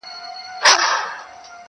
دا سړی ملامت نه بولم یارانو,